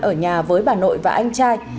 ở nhà với bà nội và anh trai